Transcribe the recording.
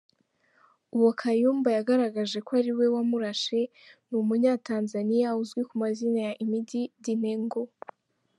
Uwo Kayumba yagaragaje ko ari we wamurashe ni Umunyatanzaniya uzwi ku mazina Emedi Dinengo.